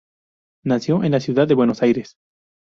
Nació en la Ciudad de Buenos Aires.